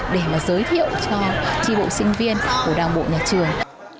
để mà giới thiệu cho tri bộ sinh viên của đảng bộ nhà trường